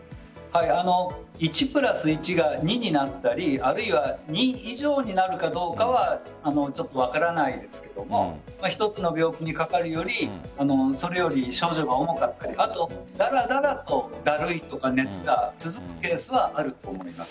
１＋１が２になったり２以上になるかどうかはちょっと分からないですけども１つの病気にかかるよりそれより症状が重かったりだらだらと、だるいとか熱が続くケースはあると思います。